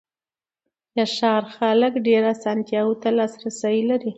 د ښار خلک ډېرو آسانتیاوو ته لاسرسی لري.